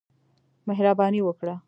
مهرباني وکړه !